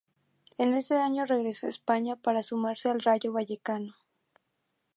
En ese año regresó a España para sumarse al Rayo Vallecano.